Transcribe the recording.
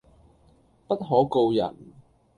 不可告人